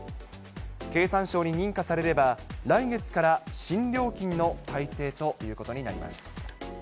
経産省に認可されれば、来月から新料金の改正ということになります。